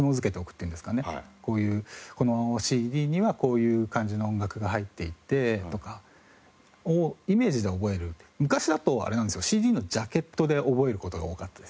こういうこのＣＤにはこういう感じの音楽が入っていてとかをイメージで覚える昔だとあれなんですよＣＤのジャケットで覚える事が多かったです。